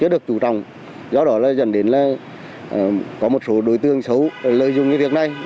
do đó dẫn đến có một số đối tượng xấu lợi dụng việc này